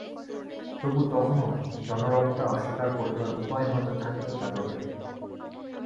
তবু, তখনও জনরবটা অস্বীকার করিবার উপায় হয়তো থাকিত যাদবের।